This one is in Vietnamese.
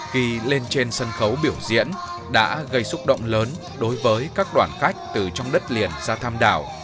khi lên trên sân khấu biểu diễn đã gây xúc động lớn đối với các đoàn khách từ trong đất liền ra tham đảo